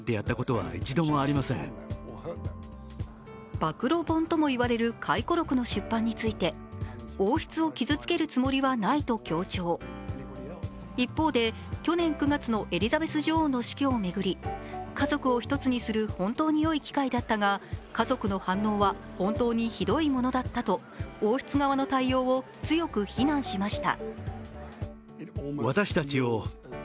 暴露本ともいわれる回顧録の出版について一方で、去年９月のエリザベス女王の死去を巡り家族を一つにする本当によい機会だったが家族の反応は本当にひどいものだったと王室側の対応を強く非難しました。